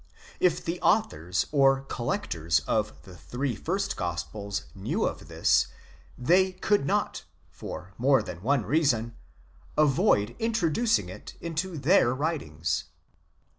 If the authors or collectors of the three first gospels knew of this, they could not, for more than one reason, avoid introducing it into their writings.